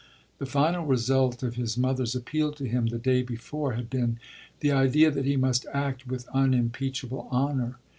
The final result of his mother's appeal to him the day before had been the idea that he must act with unimpeachable honour.